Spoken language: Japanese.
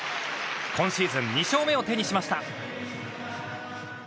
今シーズン２勝目を手にしました。